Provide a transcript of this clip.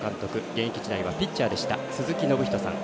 現役時代はピッチャーでした鈴木信人さん。